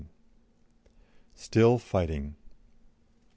STILL FIGHTING.